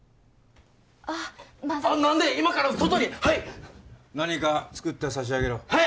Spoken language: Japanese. あッまだなんで今から外にはいッ何か作って差し上げろはい！